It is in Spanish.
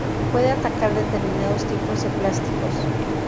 Puede atacar determinados tipos de plásticos.